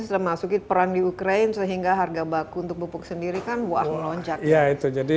sudah masukin perang di ukraine sehingga harga baku untuk pupuk sendiri kan buang melonjak ya itu jadi